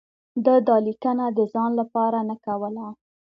ده دا لیکنه د ځان لپاره نه کوله.